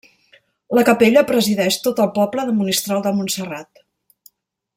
La capella presideix tot el poble de Monistrol de Montserrat.